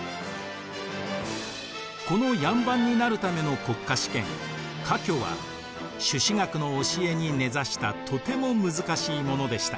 この両班になるための国家試験科挙は朱子学の教えに根ざしたとても難しいものでした。